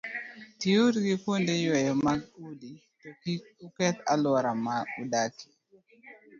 Tiuru gi kuonde yweyo mag udi, to kik uketh alwora ma udakie.